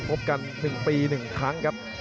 พบกัน๑ปี๑ครั้งครับ